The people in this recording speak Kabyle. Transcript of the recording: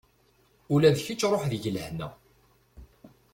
Ula d kečč ruḥ deg lehna.